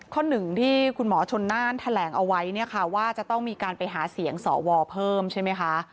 ข้อ๑ที่คุณหมอชนน่านแถลงเอาไว้ว่าจะต้องมีการไปหาเสียงสอวเพิ่มใช่ไหมคะ